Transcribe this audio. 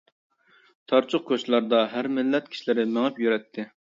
تارچۇق كوچىلاردا ھەر مىللەت كىشىلىرى مېڭىپ يۈرەتتى.